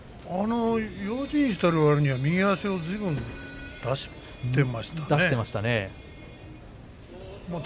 用心しているわりには右足ずいぶん出していましたね。